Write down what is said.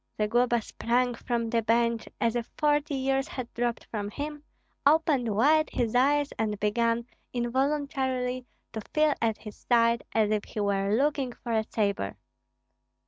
Zagloba sprang from the bench as if forty years had dropped from him, opened wide his eyes, and began involuntarily to feel at his side, as if he were looking for a sabre.